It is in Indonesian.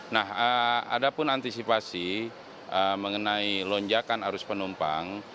nah ada pun antisipasi mengenai lonjakan arus penumpang